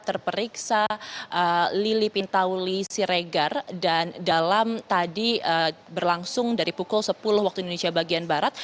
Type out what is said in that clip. terperiksa lili pintauli siregar dan dalam tadi berlangsung dari pukul sepuluh waktu indonesia bagian barat